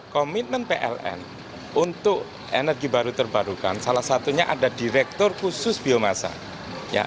komitmen pln untuk energi baru terbarukan salah satunya ada direktur khusus biomasa